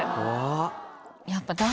やっぱ。